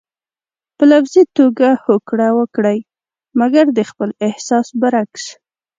په لفظي توګه هوکړه وکړئ مګر د خپل احساس برعکس.